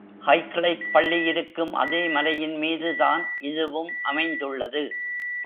Highclere பள்ளி இருக்கும் அதே மலையின்மீது தான் இதுவும் அமைந்துள்ளது.